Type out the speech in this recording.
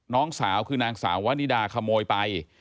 น้องสาวคือนางสาววานิดาขโมยไป